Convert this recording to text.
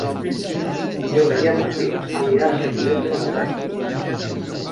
Diumenge en Martí anirà a Sant Llorenç de la Muga.